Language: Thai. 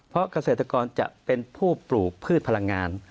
เพราะเกษตรกรจะเป็นผู้ปลูกพืชพลังงาน